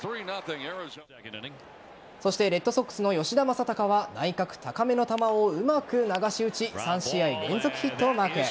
そして、レッドソックスの吉田正尚は内角高めの球をうまく流し打ち３試合連続ヒットをマーク。